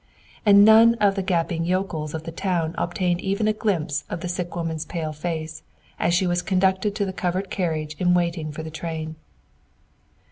And none of the gaping yokels of the town obtained even a glimpse of the sick woman's pale face, as she was conducted to the covered carriage in waiting for the train.